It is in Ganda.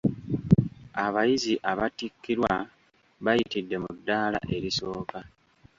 Abayizi abattikkirwa bayitidde mu ddaala erisooka.